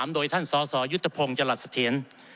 ๒๕๖๓โดยท่านสสยุธพงศ์จรษฐียนต์